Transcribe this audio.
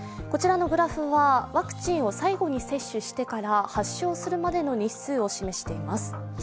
こちらのグラフはワクチンを最後に接種してから発症するまでの日数を示しています。